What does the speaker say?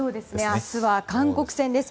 明日は韓国戦です。